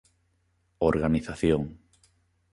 Organización